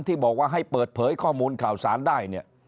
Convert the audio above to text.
ที่บอกว่าให้เปิดเผยข้อมูลข่าวสารได้เนี่ย